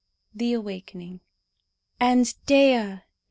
THE AWAKENING. And Dea!